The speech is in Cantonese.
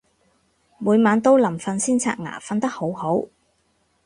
每晚都臨瞓先刷牙，瞓得好好